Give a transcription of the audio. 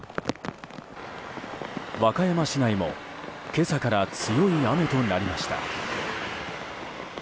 和歌山市内も今朝から強い雨となりました。